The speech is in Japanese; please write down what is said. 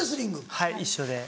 はい一緒で。